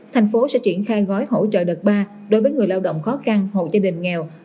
thành phố sẽ triển khai gói hỗ trợ đợt ba đối với người lao động khó khăn hộ gia đình nghèo